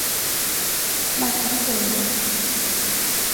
Massi kweele ?